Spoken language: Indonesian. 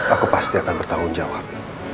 aku pasti akan bertanggung jawab